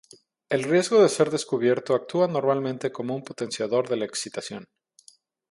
El riesgo de ser descubierto actúa normalmente como un potenciador de la excitación.